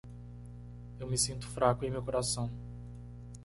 Eu me sinto fraco em meu coração.